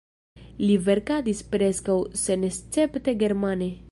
Li verkadis preskaŭ senescepte germane.